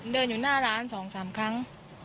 เดินอยู่หน้าร้าน๒๓ครั้ง